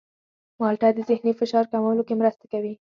مالټه د ذهني فشار کمولو کې مرسته کوي.